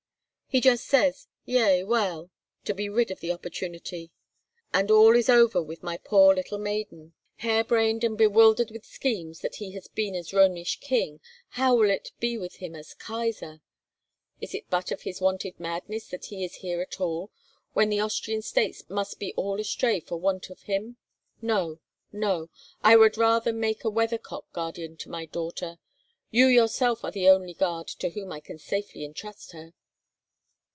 He just says, 'Yea, well,' to be rid of the importunity, and all is over with my poor little maiden. Hare brained and bewildered with schemes has he been as Romish King—how will it be with him as Kaisar? It is but of his wonted madness that he is here at all, when his Austrian states must be all astray for want of him. No, no; I would rather make a weathercock guardian to my daughter. You yourself are the only guard to whom I can safely intrust her."